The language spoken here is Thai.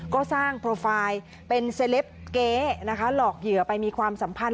ก็สร้างโปรไฟล์เป็นเซลปเก๊นะคะหลอกเหยื่อไปมีความสัมพันธ